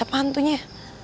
gak dapet apa apanya